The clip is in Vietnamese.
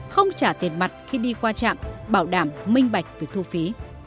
không trả tiền mặt khi đi qua trạm bảo đảm minh bạch việc thu phí